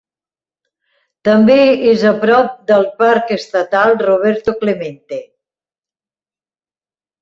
També és a prop del parc estatal Roberto Clemente.